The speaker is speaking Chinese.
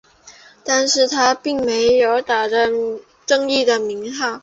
但是他并没有打着正义的名号。